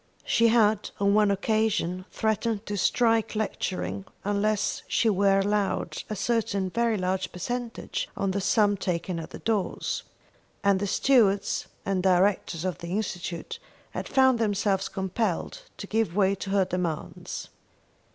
She had on one occasion threatened to strike lecturing unless she were allowed a certain very large percentage on the sum taken at the doors, and the stewards and directors of the Institute had found themselves compelled to give way to her demands.